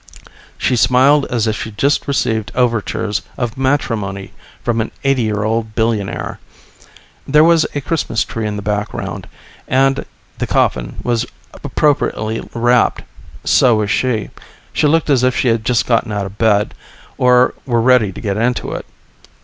She smiled as if she'd just received overtures of matrimony from an eighty year old billionaire. There was a Christmas tree in the background, and the coffin was appropriately wrapped. So was she. She looked as if she had just gotten out of bed, or were ready to get into it.